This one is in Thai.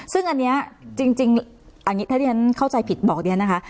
ซึ่งอันนี้จริงถ้าที่ฉันเข้าใจผิดบอกเดี๋ยวนะคะ